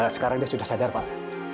sekarang dia sudah sadar pak